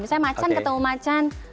misalnya macan ketemu macan